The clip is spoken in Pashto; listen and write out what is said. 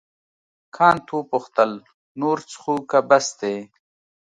کانت وپوښتل نور څښو که بس دی.